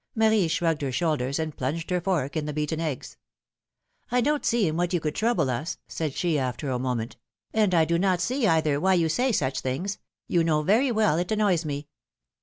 Marie shrugged her shoulders, and plunged her fork in the beaten eggs. I don't see in what you could trouble us," said she, after a moment, and I do not see, either, why you say such things; you know very well it annoys me."